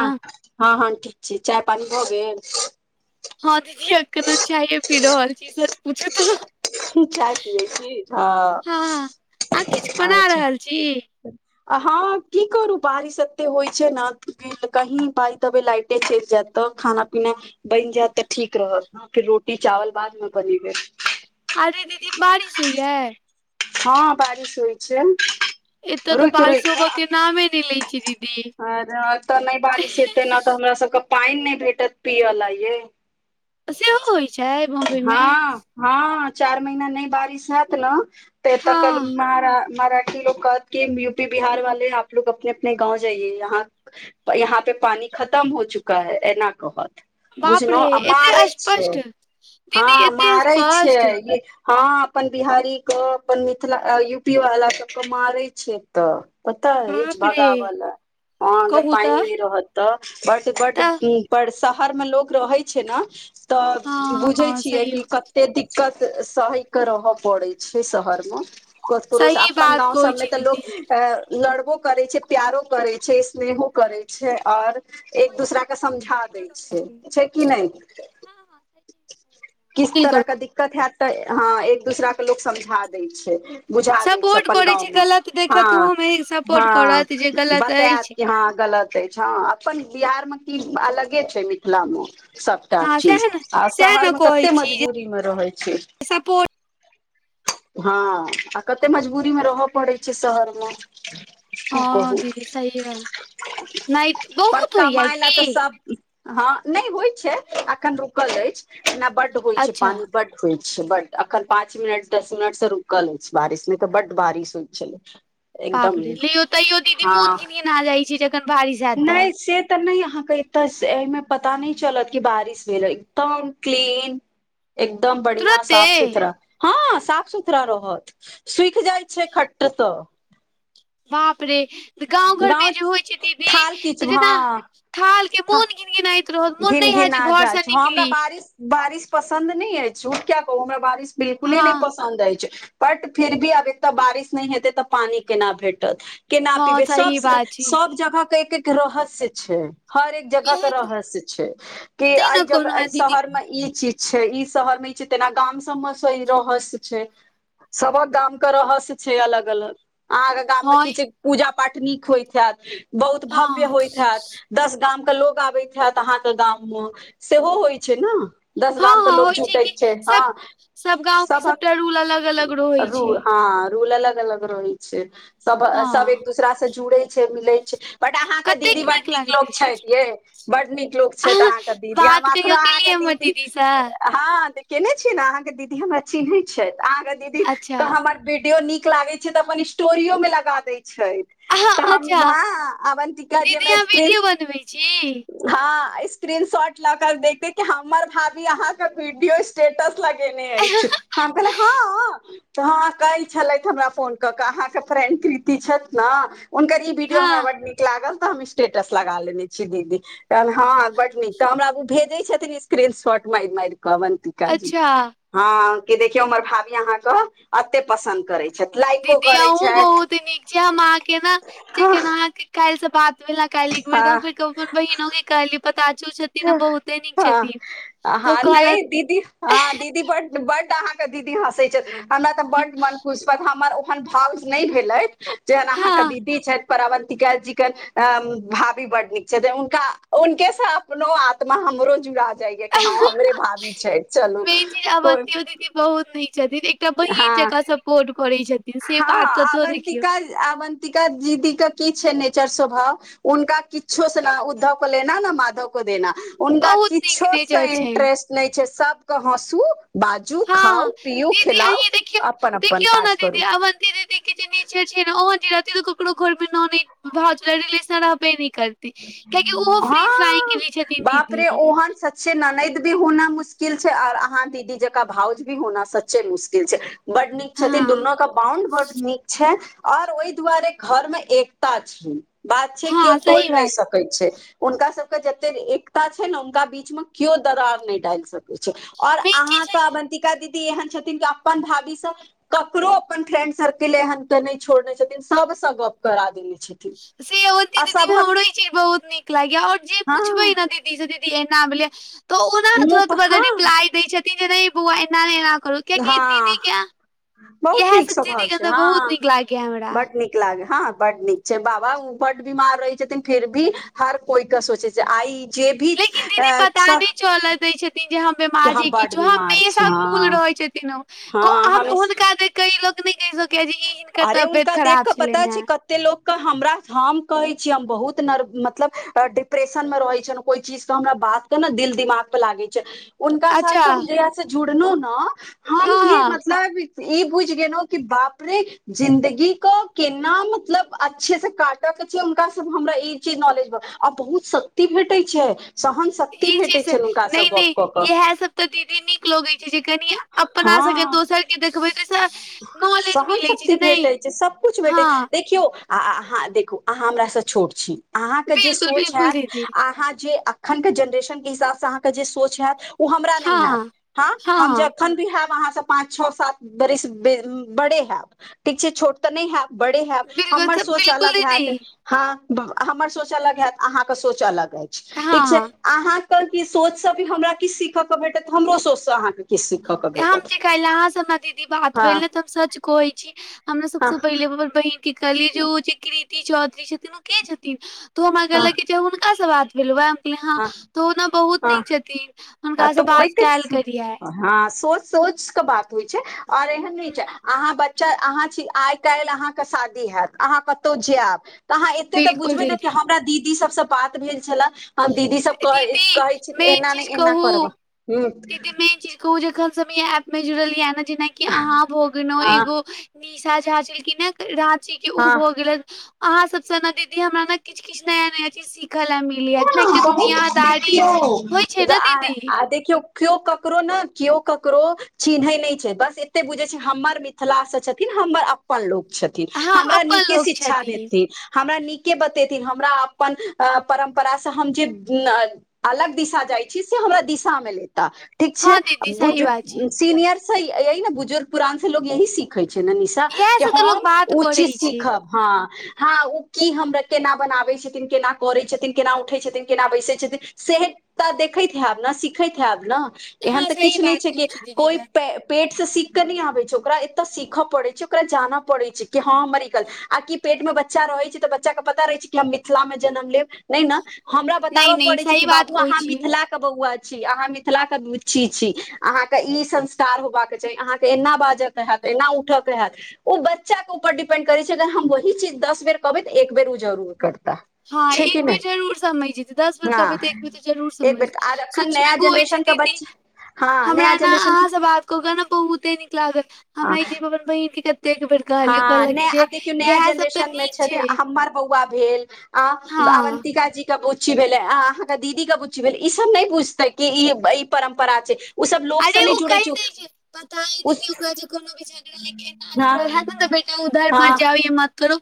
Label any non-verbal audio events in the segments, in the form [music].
हँ -हँ ठीक छिचाय पानी भऽ गेल। हँ दीदी अखन चाय ही पिय रहल छी सच पूछू चाय पिबे छी हँ हँ अहाँ किछु बना अच्छा। रहल छी हँ की करू बारिश एते होइ छै ने कही बार देबे लाइट। चेल जेत ता खाना पीना। बनि जायत तऽ ठीक रहत फेर रोटी चावल बाद मे बनेबे। आय दीदी बारिश होइए। हँ बारिश होइ छैय। एतय तऽ बारिश होबक के नामे नहि लै छै दीदी। अत तऽ नहि बारिश हेते न तऽ हमरा सबके पैन नहि भेटत पियए ल ये। सेहो होइ छै बम्बई मे हँ हँ चार महिना नहि बारिश होयत ने। त त कह हँ मराठी लोकोग कहत कि यूटी बिहार वाले आपलोग अपने अपने गाँव जाये। जइए यहाँ पे पानी खतम हो चुका है एना कहत। बाप बुझलो रे आ मारै एते छैय स्पष्ट हँ दीदी एते मारै स्पष्ट छैय। हँ अपन बिहारी के अपन मिथिला यूपी वाला सब के मारे छैय। तऽ पता बाप अछि रे भगाव लय हँ अगर कहू पैन तऽ नहि रहत बढ़ बढ़। तऽ पर शहर मे लोग रहे छै ने तऽ हँ बुझे हँ छियै सही कि कते दिक्कत। दिक्कत सही के रहय पड़ै छैय शहर मे। सही अपन बात गाँंव कहै सबमे छी तऽ लोक दीदी लड़बो करै छै प्यारो करै छैय। स्नेहो ह करै छै आओर एक दोसराक के समझा दै छैय छै कि नहि। किस मिल तरह करू कि दिक। दिक्कत हेत एक दूसरा के लोकोग समझा दै छैय। बुझा दै छै सपोर्ट अपन करैत गाँवमे गलत देखत ओहोमे हँ सपोर्ट करत जे हँ। गलत बतायत अछि कि गलत अछि हँ अपन बिहार मे की अलगे छै मिथिला मे। सभटा हँ सएह चीज ने आ सएह ने शहरमे कहै कतेक छी जे मजबूरीमे रहै छै। सपोर्ट हँ आ कते मजबूरीमे रहय पड़ैत छै शहरमे। हँ दीदी सहि मे न पर तुम यही कमाय लए तऽ थी। सब हँ नहि होइ छै अखन रुकल अछि एना बढ़। होइ छै अच्छा पानी। बढ़ होइ छै बड अखन पाच मिनट दस मि रूकल अछि बारिश मे त बड बारिश होय छै [inaudible] बापरे तैयो दीदी मोन घिनघिनजाइत छै जखन बारिश हैंततऽ। नहि से तऽ नहि अहाँके एतऽ एहिमे पता नहि चलत जेबारिश भेल एकदम क्लीन। एकदम बढ़िआ तुरते साफ सुथरा। हँ साफ सुथरा रहत सिखजाइ छै खट स बाप रे गाँव घरमे जे होइ छै थाल किच दीदी जेना। हँ थालके था मोन गिन गिनाइत रहत मोन घिन नहि होैतत घिना जे जाइ घरसँ छै हमरा निकली। बारिश बारिश पसन्द नहीं। अछि झूठ क्य कहू में बारिश बिलकु ही हँ पस। पसन्द अछि छै बट फिर भी अब एक तऽ बारिश नहि हेतै तऽ पानि केना भेटत। के हँ नापीबे सब सही बात छै सब जगह के एक एक रहस्य छै हर एक जगह के इह रहस्य। कि तै एहि ने जगह कहलहु हे एहि दीदी शहर मे ई चीज। छै ई शहर मे ई छै तेना गाम सबमे रहस्य छै। सबक गाम के रहस्य छै अलग अलग अहाँ। गाम मे हँ किछु पूजा पाठ नीक होइत छत बहुत हँ भव्य होइत हत। दस गाम के लोकआबैत हैत अहााँके गाम मे सेहो होइ छै ने। दस हँ गाम के हँ होइ लोकोग जुटै कि छै हँ सब सब गाँंव के सबटा सबक। रूल अलग अलग रहै रू छै हँ रूल अलग अलग। रहै छै सब सब हँ एक दूसराास से जुड़ै छै मिलै छै। बड अहाँके दीदी कतेक बड नीक लागैत लोक अछि छथि ये। बड नीक लोक छथि अहाँ अहाँके दीदी हम बात एखनो कहियो अहाँके केलियै हमर दीदी। दीदीसँ हँ तऽ केने छीियै ने अहाँ के दीदी हमर चिन्है छै अहाँके दीदी। के अच्छा। हमर वीडियो नीक लागे छै तऽ अपन स्टोरो में लगा देय छैथ अहाँ तऽ हम अच्छा हा अवन्तिकााजी हमरा स्क्रीन जी। हँ स्क्रीन शॉट लऽ कर देखते क हमर भाभी अहाँके वीडियो स्टेटस लगेने अछि हम कहलिए हँ। तऽ हँ कहै छलथि हमरा फोन कऽ के अहाँके फ्रेंड कृीति छथि नऽ। हुनकर ई वीडियो हमरा हँ बड नीक लागल तऽ हम स्टेटस लगा लेने छी दीदी। तहन हँ बड नीक तऽ हमरा भेजै छथिन स्क्रीन शॉट मारि मार कऽ अंतिका जी। अच्छा हऽ कि देखियौ हमर भाभी अहा के अते पसन्द करे छै। दीदी अहुूँ बहुत नीक छी हम अहा के ने जे हँ केन अहाँके काल्हि से बात भेला काल्हि एकबेरदा फेर अपन बहिनो के कहली पताछू छ। हँ ओ हँ नहि कहलथि दीदी हँ दीदी बड्ड बड अहाँके दीदी हँसै छथि। हमरा तऽ बड्ड मन खुश पर हमर ओहन भाव नहि भेलथि जेहन अहाँके हँ दीदी छथि। परावन्तिका जी के भाभी बड नीक छथिनक उनके सा अपननो आत्मा हमरो जुड़ा जाइय कि हँ हमरे भाभी छैथ चलू मेन चीज कोइ। अवन्तियो दीदी बहुत निक छथिन एकटा हँ बहिन जकरा सपोर्ट करै छथिन। से हँ बात कतौ देखियौ आवन्तिका आवन्तिका दीदी के की छै नेचर स्वभाव। उनका किच्छो सु उद्धव को लना नऽ माधव को देना। हुनका बहुत नीक किछो सऽ नेचर छनि इंट्रेस्ट नहि छै सबके हँसू बाजू खाउ हँ पिउ दीदी खिलउ अहीं देखियौ अपन अपन देखियौ काज ने करू। दीदी अवन्ती दीदी नेचर छै ने ओह रह तऽ ककरो घर मे न भाव रिलेशन रहबे न करल। कियाकी ऊहो फ्रीफ्लाइंग के भी छथिन दीदी। सचे ननेदय भी होनाय मुश्किल छैय और अहाँ दीदी जँका भाउज भी होना सच्चे मुश्किल छैय। बड नीक छथिन हँ दुनूके बाउंड बड नीक छैय। आओर ओहि दुआरे घर मे एकता छै बात छै कि कियो हँ तो सही बात सकैत छै हुनका सब के जते एकता छै नऽ उनका बीच मे केओ दरार नहि डालि सक छैय और मेन चीज अहाँके छै अ बन्तिका दीदी एहन छथिन कि अपन भाभीसँ ककरो अपन फ्रेंड सर्किल एहन के नहि छोड़ने छथिन सबसँ गप करा देने छथिन। से अवंति आ दीदी में सभक हमरो ई चीज बहुत नीक लागया और जे हँ पुछबै ने दीदी द स दीदी ऐना मिलै त ओना मुँह थोड़ात पर ब हँ रिप्लाई। दै छथिन जे नहि बौआ एना नहि एना करू कियाकि हाँ दीदी के बहुत इएह नीक सब दीदी सभाव के छैय तऽ बहुत हाँ नीक लागैया हमरा बड नीक। [unintelligible] बड नीक छैय बाबा ओ बड बिमार रहै छथिन फिर भी हर कोइ के सोचै छैय आइ। जे भी लेकिन दीदी अ, पता सब नहि चलए दै छथिन जे हम के बिमार हम छी बड किछु बीमार छी हमेशा कुल हँ रहैत छथिन। हँ हमेशा हुनका देखि के लोग नहि कहि सक कऽ ई जे हिनकर तबियत खराब छलेन हेय। ते लोकके हमरा हम कहै छीिय हम बहुत नर्व मतलब डिप्रेशन मऽ रहै छलो। कोइ चीज कऽ हमरा बात कऽ न दिल दिमाग पर लागै छैय। हुनका साथ अच्छा से हम जहिया से जुड़नु न हम फीर हँ मतलब ई बुझ गेले की बापरे जिंन्दगी कऽ केना मतलब अच्छे से काटे केँ छैय हुनका स हमरा ई चीज नॉलेज ब। आ बहुत शक्ति भेटै छैय। ई चीज रीमी कऽ कऽ ईहै सब। तऽ दीदी नीक लोगै छैय जे कनी अपना सके हँ दोसरके देखबै तय। सहन शक्ति भेटैत छैय सबकुछु भेटैत छैय हँ देखियौ। आ अहाँ देखूँ अहाँ हमर स छोट छी अहाँकेँ जे बिलकुल सोच बिलकुल होयत दीदी अहाँ जे अखनक केँ जेनरेशनक केँ हिसाबसँ अहाँकेँ जे सोच हयत ओ हमरा नै हँ हयैत हाँ हम हँ जब। हम भी हैब अहाँ से पाँच छओ सात बरिस बड़े हैब ठीक छै छोट तऽ नै हैब बड़े हैब बिलकुल हमर सब सोच बिलकुल अलग दीदी हैत। हाँ हमर सोच अलग है तऽ अहाँकेँ सोच अलग ऐछ ठीक छैय। हँ अहाँ कऽ केँ सोच से भी हमरा किछ सीखय केँ भेटत हमरो सोच से अहाँकेँ हम की कैलों अहाँ स हमरा दीदी बात हँ भेल ने तऽ हम सच कहै छी हमरा हँ सबसँ पहिले। हम अपन बहिन केँ कहलियै जे ओ छै कृति चौधरी छथिन ओ केँ छथिन तो हमरा हँ कहलक जे हुनकास बात भेलौ वैह हम कहलियै हाँ हँ तऽ ओ न बहुत हँ नीक छथिन। हुनका तऽ से बात ओइकेँ कयल करियै [inaudible] हाँ सोच सोच कऽ बात होइ छैय। और एहन नै छैय अहाँ ब चा अहाँ छी आइ काइल अहाँ कऽ शादी हैत अहाँ कतौ जायब। तऽ अहाँ एते तऽ बिलकुल बुझबै न की दीदी हमरा दीदी सबसँ बात भेल छलै। हम दीदी सब कह कहै छैय एना नै एना हुँ करबह [inaudible] दीदी मेन चीज कहु जखन स ऐप में जुड़ल ये जैनाकी कि अहाँ भागेनो ह हँ एगो निशा झा छलखिन ह राँची केँ ओ हँ भो गेलैन अहाँ सब स न दीदी हमरा नऽ किछ किछ नया नया चीज सीखे ले मिलेयइ। बहुत देखियौ मुद ने आ दीदी आ देखियौ केओ ककरो ना केओ ककरो चिनहै नै छैय बस एत्तै बुझै छैय हमर मिथिलासँ छथिन हमर अप अपन लोक छथिन हँ हमरा अपन नीके लोक शिक्षा छथिन देथिन। हमरा नीके बतेथिन हमरा अपन परम परा स हम जे अलग दिशा जाइ छी से हमरा दिशा में लेता ठीक छैय हँ दीदी सही बात छै बुजुर्ग सीनियर स ये ही बुजुर्ग पुरान से लोग यही सीखे छैय नि तऽ इएह केँ से तऽ लोग हम बात ओ चीज करै छै सीखब हाँ हाँ ओ की हमरा केना बनाबै छथिन केना करै छथिन। थीन केना उठै छथिन केना बैसैत छथिन सेह तऽ देखैत हयब न सिखैत हैब न एहन हँ तऽ सही किछ नै बात छै कहै कि छी दीदी कोइ प पेट से सीख कऽ नै आबे छै ओकरा एतय सीख पड़े छै ओकरा जान पड़े छै कि हँ हमर गल आ कि पेट में बच्चा रहै छै तऽ बच्चा कऽ पता रहै छै कि हम मिथिला मे जन्म लेब नै न हमरा नहि बताब नहि पड़ैत छैय सही कि बात बाबू कहै अहाँ छी मिथिला बौआ छी अहाँ मिथिला कऽ बुच्ची छी अहाँ कऽ ई संस्कार होबा कऽ चाही अहाँ कऽ एना बाज कऽ हैत एना उठ कऽ हैत। ओ बच्चा कऽ ऊपर डिपेंड करै छै अगर हम वही चीज दस बेर कहबै तऽ एक बेड़ ओ जरूर करता। हँ छै कि एक बे नहि जरूर समझ जतै दस बे हँ कहबै देखबै तऽ एक बेर तऽ जरूर एक समझ बेर आर एखन सचमे नया गोै है जेनरेशन छै के दीदी बच्चा हँ हमरा नया न जेनरेशन अहाँ के स बात कऽ केँ न बहुते नीक लागल हँ हमरा ई जी अपन बहिन कें कते बे हँ नै आ नया जेनरेशन मे नीक छथि छै हमर बौआ भेल आ हँ अवन्तिका जी के बुच्छी भेलै अहाँके दीदी के गुच्छी भेल ई सब न नहि बुझते कि ई ई परम्परा छै ओ सब लोक अरे से ओ नहि जुड़ै कहि दै छै पता ह उस दीदी ओकरा जे कोनो भी झगड़ा एना हँ ज रह ह [unintelligible] बै उधार हँ म जाउ मात करो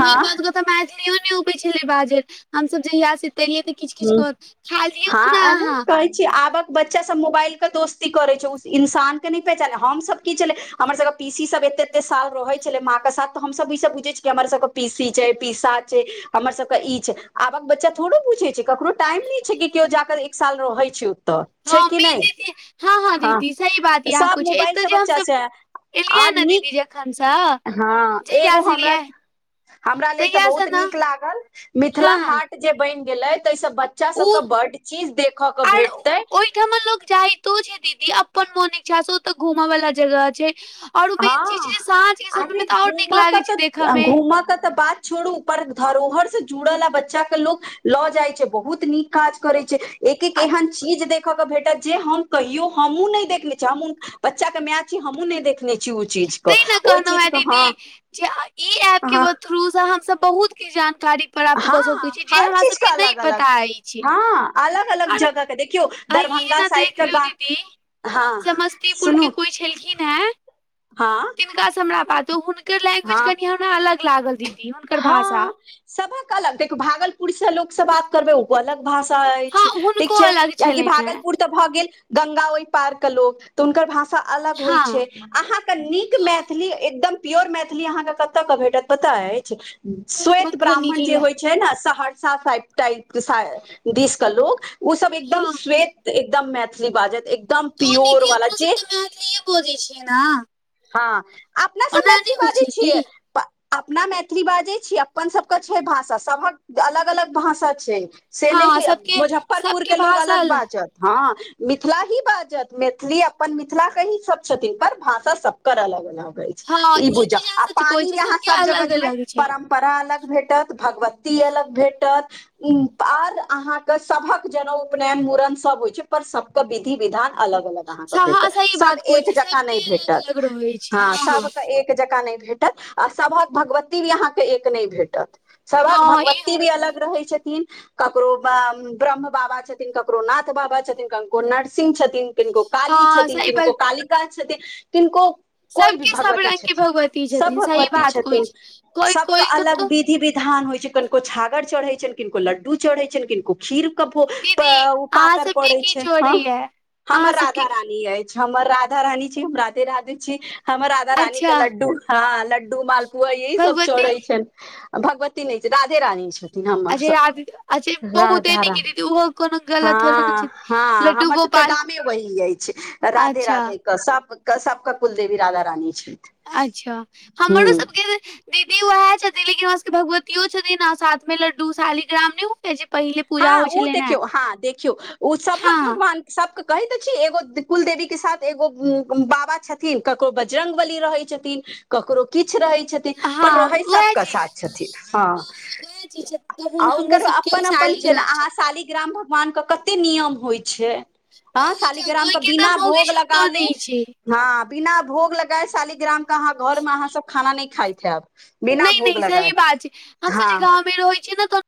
हँ मैथिलियो ने उपै छलै बाजल हमस जहियास तहिएस किछ ह किछ कर खा लियौ ने अहाँ जे आबक बच्चा सब मोबाइल के दोस्ती करे छै उ इंसान के न पहचाने हम सब की छले हमर सबके पीसी सब एते एते साल रहै छलै माँ के साथ तऽ हमसभ ई सब बुझै छियै हमर सब पीसी छै पीसा छै हमर सब के ई छै आबक बच्चा थोड़ो पूछे छै ककरो टाइम नहि छै कि केओ जाकऽ एक साल रहै छै ओतऽ छै कि मम्मी नहि दीदी हँ दीदी सही बात य अहाँ सब कुछ मोबाइल एतऽ से जे बच्चा हमसब से आ एलियै ने नीक दीदी जखनसँ हँ एगो जहिया से हमरा। एलियै हमरा लेल तऽ तहिया से बहुत ने नीक लागल मिथिला हँ हँ हाट। जे बनि गेलैय ताहिसऽ बच्चा ओ सब के बड चीज देख क भेटतैय ‌। कि उमहर लोग जाइतो छै दीदी अपन मोन इच्छा से ओ तऽ घुम वाला जगह छैय। हँ अरे नीक घूमऽ लागे के छै देखऽ तऽ मे घूमऽ के तऽ बात। छोड़ु पर धरोहर से जुड़लऽ बच्चा के लोक। लऽ जाइत छै बहुत नीक काज करैत छै एक एक एहन चीज देखखऽ के भेटत जे हम। कहियो हमू नहि देखने छी हमहु बच्चा के मायं छी हमू नहि देखने कऽ। नैय छैय उचित। तैं ने कहलहु हॅं दीदी जे ई ऐप के। हँ [unintelligible] यूज हमसब बहुत किछ जानकारी। [unintelligible] प्राप्त कऽ सकैत हँ छी जे हर हमरा चीज सबके के नहि अलग अलग पता अछि हँ अलग अलग आर। जगह के देखियौ अहीं दरभंगा जेना साइड देख के लियौ गा दीदी हँ जमस्तीपुर के सुनू कोई छलखिन। हँ तिनकाँ हमरा बातो हुनकर लैंग्वेज हँ कनि हमरा अलग लागल दीदी। हुनकर भाषा हँ सभक अलग देखू भागलपुर से लोकसभ आब। करबै ओ अलग भाषा हँ अछि ठीक हुनको छै अलग कियाकि छलनि हेँ भागलपुर। तऽ भऽ गेल गंगा ओहि पार के लोक तऽ हुनकर भाषा अलग होइ छैय। हँ अहाँके नीक हँ मैथिली एकदम प्योर मैथिली अहाँके कतय के भेटत पता अछि। श्वेत मधुबनी ब्राह्मण जे जिला होइत। छै ने सहरसा टाप के दिश के लोक ओ सब एकदम हँ श्वेत। एकदम मैथिली बाजत एकदम प्योर वाला जे। बजैय छी ना। हँ अपना सब मैथिली बाजैय छै की छियै। आ अपना मैथिली बाजैय छी अपन सबके छै भाषा सबक अलग अलग भाषा छैय। से हँ नैय सबके मुजफ्फरपुर सबके के लोग भाषा अलग बाजत हँ। मिथिला ही बाजत मैथिली अपन मिथिला के ही सब छथिन पर भाषा सबकर अलग अलग ऐ। हँ ई बुझजौ चीज अहाँ आ सच कहै पानी छी अहाँ सबके सब जगह अलग जेबै अलग छै परम। पररा अलग भेटत भगवती अलग भेटत। उ आर अहाँके सभक जना उपनयन मुड़न सब होइ छै पर सबके विधि विधान। अलग अलग अहाँके हँ भेटत सही बात सब कहै एक छी जकाँ सबके नहि अलग भेटत। अलग रहै छै हँ सभके एक जकाँ नहि भेटत आ सभक भगवती भी अहाँके एक नहि भेटत। सभक हँ ई भगवती भी अलग रहै छथिन। ककरो ब्रह्म बाबा छथिन ककरो नाथ बाबा छथि कऽरो नरसिंह छथिन। किनको काली हँ छथिन सही किनको बात कालिका छथिन किनको। कोइ भी सबके सब भगवती रंग के छथिन भगवती सब छथिन सही भगवती बात कोइ छथिन कोइ सबके कोइ अलग कतौ विधि विधान होइ छै कन। किनको छागर चढ़ैतनि किनको लड्डू चढ़ैत छनि किनको। खीर के दीदी ओ अहाँ पातर सबके पड़े की छै हऽ चोरी यै अहाँ हमर सबके राधा रानी अछि। हमर राधा रानी छी हम राधे राधे छी हमर राधा रानी के अच्छा लड्डू हँ लड्डू माल। आ यह सब भगवती चड़ै छनि भगवती नहि छै राधे रानी छथि। हमर अजय राध अच्छा सबके बहुते राधा नीक रानी दीदी ओहो कोनो गलत थोड़े ने छै हँ हँ लड्डू हमर सब। गोपाल गामे वही अछि राधे अच्छा राधे के सबके सबके कुलदेवी राधा रानी छथि। अच्छा हमरो हूँ सबके। दीदी उएह छथिन लेकिन वहाँ सबके भगवतियो छथिन आ साथ में लड्डू साली ग्राम न। जेे पहिले। पूजा हँ होइ ओ छलनि हे देखियौ हँ देखियौ ओ सबहक हँ भगवान। सबके कहैत ते छी एगो कुलदेवी के साथ एगो बाबा छथिन ककरो बजरंग बली रहै छथिन। ककरो किछु रहै छथि। पर हँ रहै वएह सबके साथ चीज छथिन हँ आ हुनकर अपन अपन छेन अहाँ। शालिग्राम भगवान के कते नियम होइ छै। हँ बहुत जादा शालिग्राम के ओहिके तऽ बिना मौगी भोग लगा छूटतो ले। नहि छै हँ बिना भोग लगाय शालिग्राम के अहाँ घर मे अहाँ सब खाना नहि खाइत हैब। बिना नहि भोग नहि लगाए सही बात छै हमस हँ जे गाँव मे रहै छियै नऽ तो।